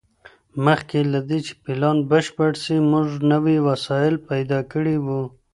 مخکي له دې چي پلان بشپړ سي موږ نوي وسايل پيدا کړي وو.